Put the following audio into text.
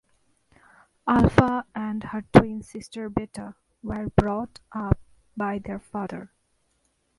Alfa and her twin sister Beta were brought up by their father.